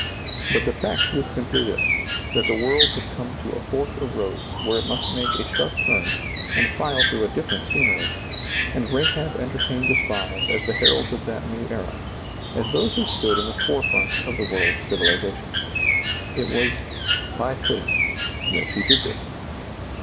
But the ^lailizccbvGoOgle 36 SEEING DARKLY fact was simply this, that the world had come to a fork of roads where it must make a sharp ■ turn, and file through a different scenery, and Rahab entertained the spies as the heralds of that new era, as those who stood in the forefront of the world's civilization. It was " by faith " that she did this.